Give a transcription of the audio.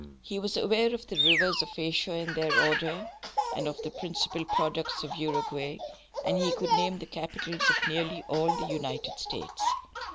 He was aware of the rivers of Asia in their order, and of the principal products of Uruguay; and he could name the capitals of nearly all the United States.